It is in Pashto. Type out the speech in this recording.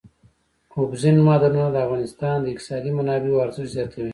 اوبزین معدنونه د افغانستان د اقتصادي منابعو ارزښت زیاتوي.